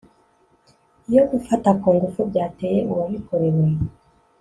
iyo gufata ku ngufu byateye uwabikorewe